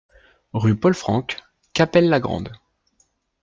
Rue Paul Francke, Cappelle-la-Grande